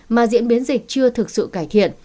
mà diễn biến dịch chưa thực sự cải thiện